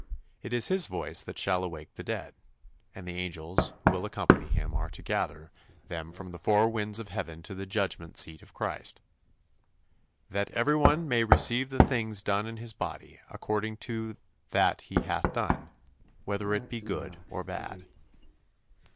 It is His voice that shall awake the dead, and the angels who will accompany Him are to gather them from the four winds of heaven to the judgment seat of Christ, "that everyone may receive the things done in his body, according to that he hath done, whether it be good or bad."